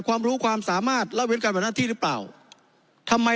ความรู้ความสามารถละเว้นการบันหน้าที่หรือเปล่าทำไม